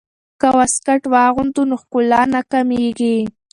که واسکټ واغوندو نو ښکلا نه کمیږي.